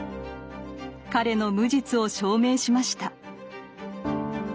彼の無実を証明しました。